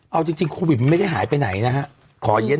เอาจริงโควิดมันไม่ได้หายไปไหนนะฮะ